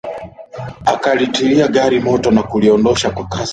Akatilia gari moto na kuliondosha kwa kasi